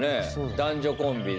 男女コンビで。